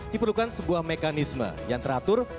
diperlukan sebuah mekanisme yang teratur